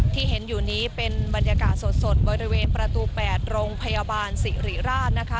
ที่เห็นอยู่นี้เป็นบรรยากาศสดบริเวณประตู๘โรงพยาบาลสิริราชนะคะ